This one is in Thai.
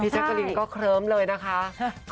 พี่เจ๊กรีมก็เคริ้มเลยนะคะ